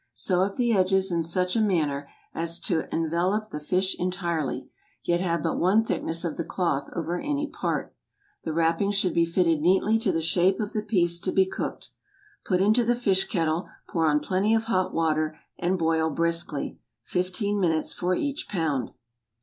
Sew up the edges in such a manner as to envelop the fish entirely, yet have but one thickness of the cloth over any part. The wrapping should be fitted neatly to the shape of the piece to be cooked. Put into the fish kettle, pour on plenty of hot water, and boil briskly—fifteen minutes for each pound.